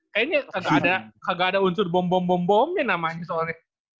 kayaknya agak ada unsur bom bom bom bomnya namanya soalnya